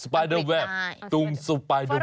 สไปเดอร์เว็บตุ้งสไปเดอร์เว็บ